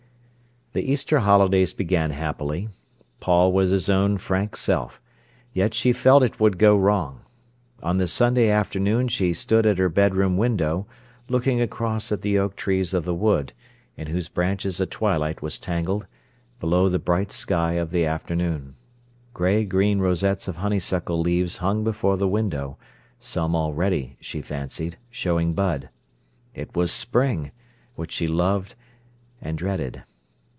The Easter holidays began happily. Paul was his own frank self. Yet she felt it would go wrong. On the Sunday afternoon she stood at her bedroom window, looking across at the oak trees of the wood, in whose branches a twilight was tangled, below the bright sky of the afternoon. Grey green rosettes of honeysuckle leaves hung before the window, some already, she fancied, showing bud. It was spring, which she loved and dreaded.